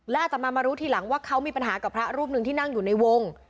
และอาจจะมามารู้ทีหลังว่าเขามีปัญหากับพระรูปหนึ่งที่นั่งอยู่ในวง